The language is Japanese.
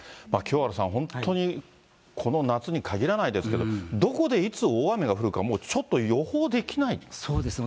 清原さん、本当にこの夏にかぎらないですけど、どこで、いつ大雨が降るか、もうちょっと予報できないですね。